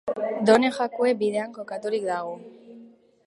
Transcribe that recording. Done Jakue bidean kokaturik dago.